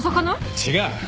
違う！